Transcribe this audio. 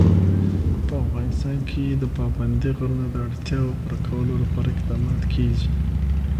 په افغانستان کې د پابندی غرونه د اړتیاوو پوره کولو لپاره اقدامات کېږي.